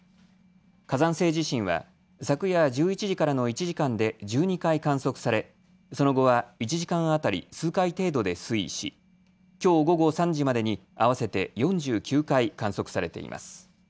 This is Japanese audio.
火山性地震は昨夜１１時からの１時間で１２回観測されその後は１時間当たり数回程度で推移し、きょう午後３時までに合わせて４９回観測されています。